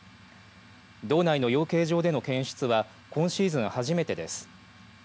道内の養鶏場での検出は今シーズン初めてです。